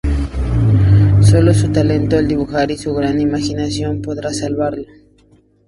Sólo su talento al dibujar y su gran imaginación podrá salvarlo.